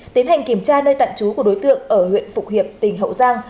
tiến hành kiểm tra nơi tận trú của đối tượng ở huyện phục hiệp tỉnh hậu giang